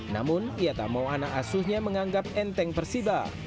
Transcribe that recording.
namun ia tak mau anak asuhnya menganggap enteng persiba